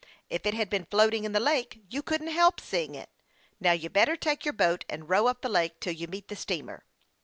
If it had been floating on the lake, you couldn't help seeing it. Now, you better take your boat and row up the lake till you meet the steamer."